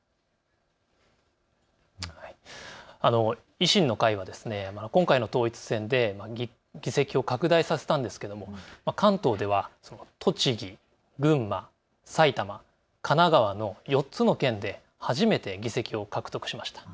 維新の会は今回の統一選で議席を拡大させたんですけれども関東では栃木、群馬、埼玉、神奈川の４つの県で初めて議席を獲得しました。